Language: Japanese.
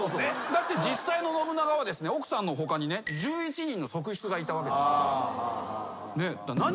だって実際の信長は奥さんの他にね１１人の側室がいたわけですから。